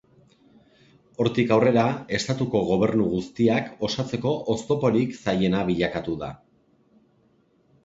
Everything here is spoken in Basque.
Hortik aurrera estatuko gobernu guztiak osatzeko oztoporik zailena bilakatu da.